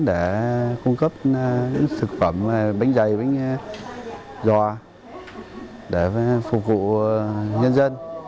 để cung cấp những thực phẩm bánh dày bánh giò để phục vụ nhân dân